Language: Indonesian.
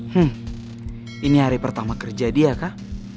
hmm ini hari pertama kerja dia kah